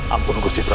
ampun bukit pramu